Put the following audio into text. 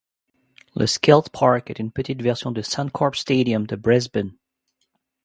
Le Skilled Park est une petite version du Suncorp Stadium de Brisbane.